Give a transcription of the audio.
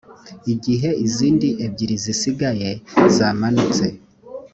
igihe izindi ebyiri zisigaye zamanutse